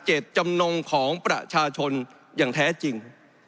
ตจำนงของประชาชนอย่างแท้จริง